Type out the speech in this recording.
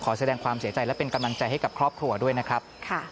แสดงความเสียใจและเป็นกำลังใจให้กับครอบครัวด้วยนะครับ